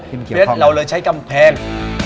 เพราะฉะนั้นเราเลยใช้กำแพง